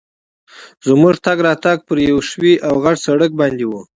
زموږ تګ راتګ پر یوه ښوي او غټ سړک باندي وو.